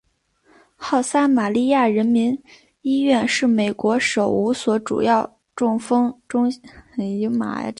好撒玛利亚人医院是美国首五所主要中风中心之一。